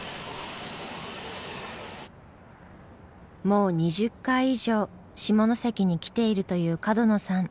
もう２０回以上下関に来ているという角野さん。